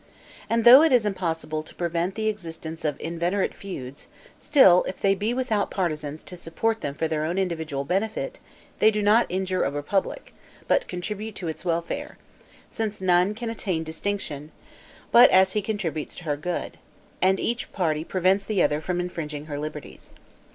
And though it is impossible to prevent the existence of inveterate feuds, still if they be without partisans to support them for their own individual benefit, they do not injure a republic, but contribute to its welfare; since none can attain distinction, but as he contributes to her good, and each party prevents the other from infringing her liberties.